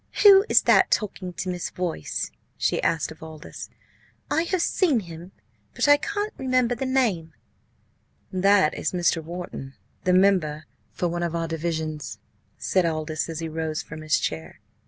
"Who is that talking to Miss Boyce?" she asked of Aldous; "I have seen him, but I can't remember the name." "That is Mr. Wharton, the member for one of our divisions," said Aldous, as he rose from his chair.